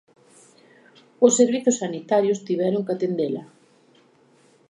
Os servizos sanitarios tiveron que atendela.